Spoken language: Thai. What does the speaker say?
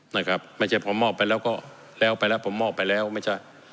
นะครับไม่ใช่ผมมอบไปแล้วก็แล้วไปแล้วผมมอบไปแล้วไม่ใช่